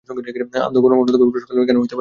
অন্নদাবাবু প্রশ্ন করলেন, কেন হইতে পারে না?